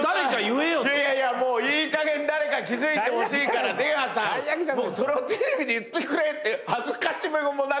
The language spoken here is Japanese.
「いいかげん誰か気付いてほしいから出川さんそれをテレビで言ってくれ」って恥ずかしげもなく。